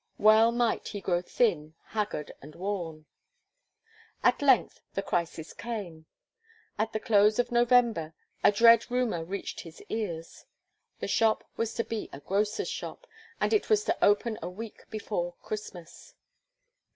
Well might he grow thin, haggard, and worn. At length, the crisis came. At the close of November, a dread rumour reached his ears. The shop was to be a grocer's shop, and it was to open a week before Christmas.